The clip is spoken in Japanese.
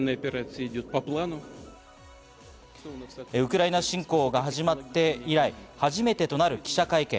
ウクライナ侵攻が始まって以来、初めてとなる記者会見。